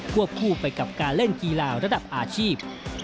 วบคู่ไปกับการเล่นกีฬาระดับอาชีพ